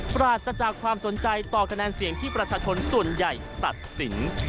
ปราศจากความสนใจต่อคะแนนเสียงที่ประชาชนส่วนใหญ่ตัดสิน